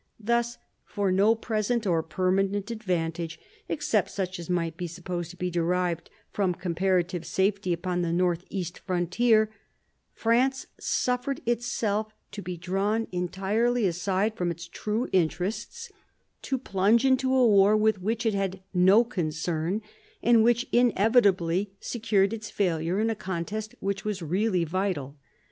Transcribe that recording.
Thus, for no present or permanent advantage — except such as might be supposed to be derived from comparative safety upon the north east frontier — France suffered itself to be drawn entirely aside from its true interests, to plunge 1756 7 CHANGE OF ALLIANCES 133 into a war with which it had no concern, and which inevitably secured its failure in a contest which was really vital.